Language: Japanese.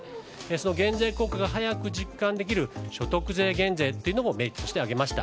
その減税効果が早く実感できる所得税減税も明記して挙げました。